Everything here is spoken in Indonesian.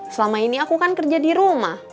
selama ini aku kan kerja di rumah